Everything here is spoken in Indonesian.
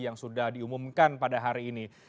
yang sudah diumumkan pada hari ini